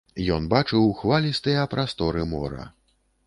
Ён бачыў хвалістыя прасторы мора.